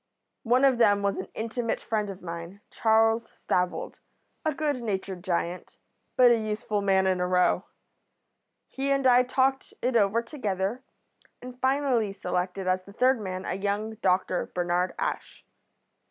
One of them was an intimate friend of mine, Charles Stavold, a good natured giant, but a useful man in a row. He and I talked it over together, and finally selected as the third man a young doctor, Bernard Ash.